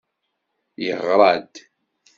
Yeɣra-d.